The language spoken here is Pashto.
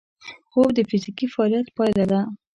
خوب د فزیکي فعالیت پایله ده